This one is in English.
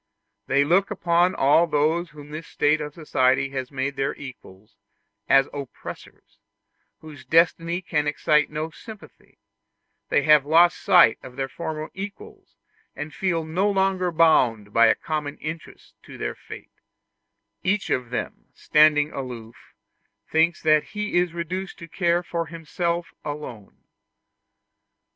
They look upon all those whom this state of society has made their equals as oppressors, whose destiny can excite no sympathy; they have lost sight of their former equals, and feel no longer bound by a common interest to their fate: each of them, standing aloof, thinks that he is reduced to care for himself alone.